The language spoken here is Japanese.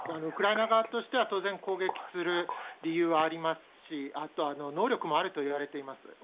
ウクライナ側としては、当然攻撃する理由はありますし、あと、能力もあるといわれています。